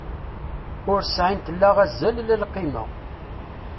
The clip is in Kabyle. Ur sɛint la azal la lqima.